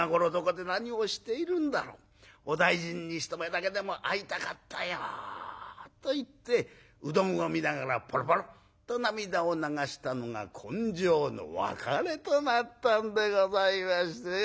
お大尽に一目だけでも会いたかったよ』と言ってうどんを見ながらポロポロッと涙を流したのが今生の別れとなったんでございましてね。